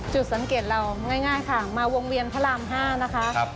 จุดสังเกตเราง่ายค่ะมาวงเวียนพระราม๕นะคะ